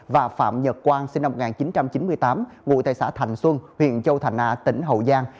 và phạm nhật quang sinh năm một nghìn chín trăm chín mươi tám ngụ tại xã thành xuân huyện châu thành a tỉnh hậu giang